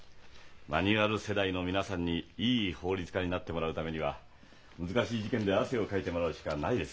マニュアル世代の皆さんにいい法律家になってもらうためには難しい事件で汗をかいてもらうしかないですからね。